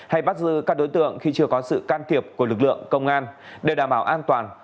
hay bắt giữ các đối tượng khi chưa có sự can thiệp của lực lượng công an để đảm bảo an toàn